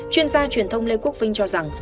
chuyên gia truyền thông lê quốc vinh cho biết